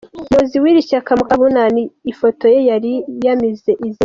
Umuyobozi w’iri shyaka Mukabunani ifoto ye yari yamize izindi.